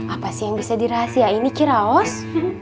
apa sih yang bisa dirahasiain di ciraos